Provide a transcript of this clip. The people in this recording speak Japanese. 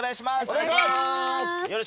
お願いします。